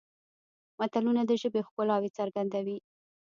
متلونه د ژبې ښکلاوې څرګندوي